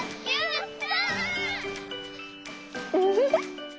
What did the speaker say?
ウフフ。